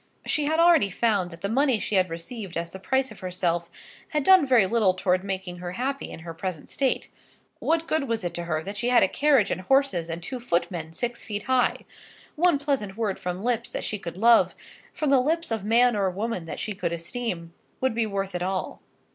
She had already found that the money she had received as the price of herself had done very little towards making her happy in her present state. What good was it to her that she had a carriage and horses and two footmen six feet high? One pleasant word from lips that she could love, from the lips of man or woman that she could esteem, would be worth it all.